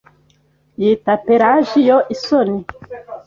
Yita Pelagiyo isoni.